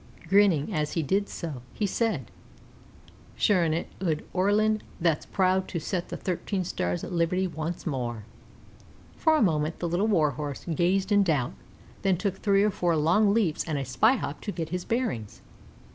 Grinning as he did so, he said: "Shure an' it's ould Oireland thot's proud to set the thirteen stars at liberty wance moore." For a moment the Little Warhorse gazed in doubt, then took three or four long leaps and a spy hop to get his bearings.